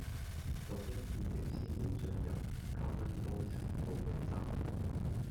錄音片段先會進入 Common Voice 數據集